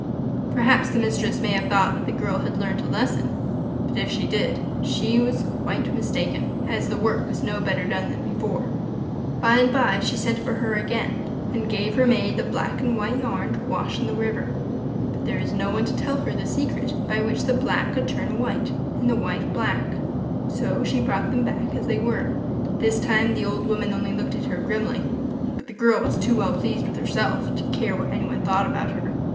Perhaps the mistress may have thought that the girl had learnt a lesson, but, if she did, she was quite mistaken, as the work was no better done than before. By and by she sent for her again, and gave her maid the black and white yarn to wash in the river; but there was no one to tell her the secret by which the black would turn white, and the white black; so she brought them back as they were. This time the old woman only looked at her grimly but the girl was too well pleased with herself to care what anyone thought about her.